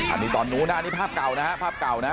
อันนี้ตอนนู้นนะอันนี้ภาพเก่านะฮะภาพเก่านะ